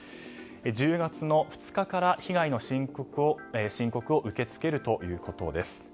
１０月２日から被害の申告を受け付けるということです。